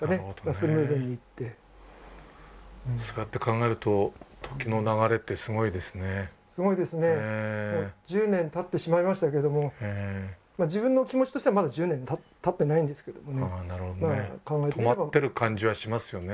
スムーズにいってそうやって考えると時の流れってすごいですねすごいですねもう１０年たってしまいましたけども自分の気持ちとしてはまだ１０年たってないんですけどもねなるほどね止まってる感じはしますよね